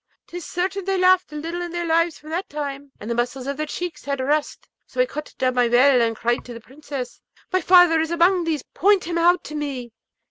'Tis certain they laughed little in their lives from that time, and the muscles of their cheeks had rest. So I caught down my veil, and cried to the Princess, 'My father is among these; point him out to me.'